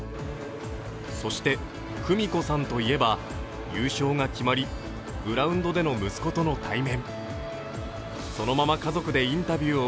そして久美子さんといえば、優勝が決まり、グラウンドでの息子との対面。